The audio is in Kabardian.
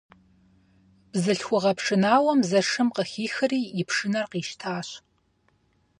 Бзылъхугъэ пшынауэм Зэшым къыхихри и пшынэр къищтащ.